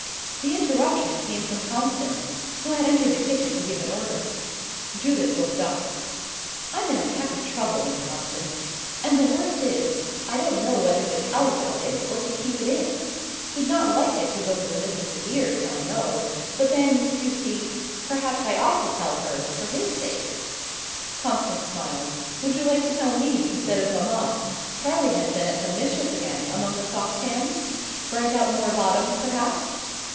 The interruption came from Constance, who had entered the kitchen to give an order. Judith looked up. "I'm in a peck of trouble, Miss Constance. And the worst is, I don't know whether to tell about it, or to keep it in. He'd not like it to get to the missis's ears, I know: but then, you see, perhaps I ought to tell her for his sake." Constance smiled. "Would you like to tell me, instead of mamma? Charley has been at some mischief again, among the saucepans? Burnt out more bottoms, perhaps?"